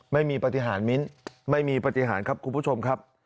ไม่มีปฏิหารมิ้นไม่มีปฏิหารครับคุณผู้ชมครับ